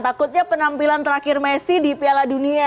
takutnya penampilan terakhir messi di piala dunia